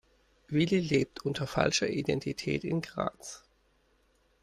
Willi lebt unter falscher Identität in Graz.